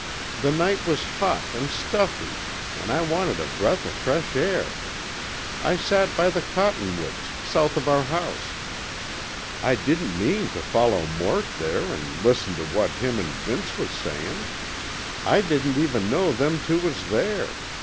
The night was hot an' stuffy an' I wanted a breath o' fresh air. I sat by the cottonwoods, south of our house. I didn't mean tuh follow Mort there an' listen tuh what him an' Vince was sayin'. I didn't even know them two was there.